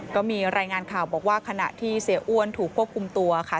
ก็มีรายงานข่าวบอกว่าขณะที่เสียอ้วนถูกควบคุมตัวค่ะ